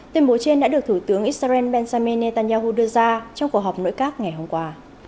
tuyên bố trên đã được thủ tướng israel benjamin netanyahu đưa ra trong cuộc họp nội các ngày hôm qua